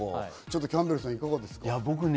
キャンベルさん、いかがですか？